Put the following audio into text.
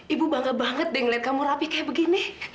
ibu bangga banget deh ngeliat kamu rapi kayak begini